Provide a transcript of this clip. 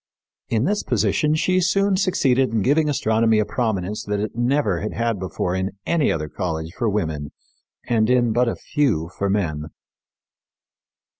In this position she soon succeeded in giving astronomy a prominence that it never had had before in any other college for women, and in but few for men.